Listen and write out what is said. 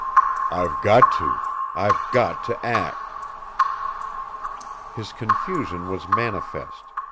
"I've got to! I've got to act!" His confusion was manifest.